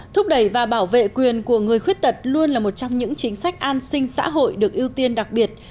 thúc đẩy và bảo vệ quyền của người khuyết tật luôn là một trong những chính sách an sinh xã hội được ưu tiên đặc biệt